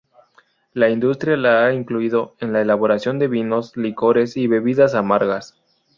La industria la ha incluido en la elaboración de vinos, licores y bebidas amargas.